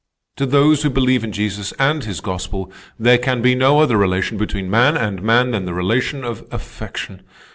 To those who believe in Jesus and his gospel there can be no other relation between man and man than the relation of affection.